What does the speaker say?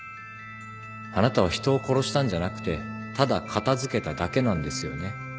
あなたは人を殺したんじゃなくてただ片付けただけなんですよね？